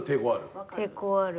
抵抗ある？